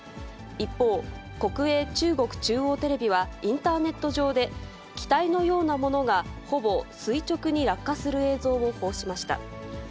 一方、国営中国中央テレビは、インターネット上で、機体のようなものがほぼ垂直に落下する映像を報じました。